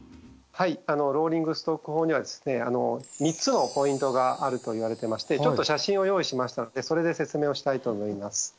はいローリングストック法にはですね３つのポイントがあると言われてましてちょっと写真を用意しましたのでそれで説明をしたいと思います。